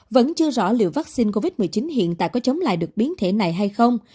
vẫn chưa rõ liệu vaccine covid một mươi chín hiện tại có chống lại được biến thể này hay không